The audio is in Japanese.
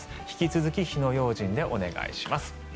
引き続き火の用心でお願いします。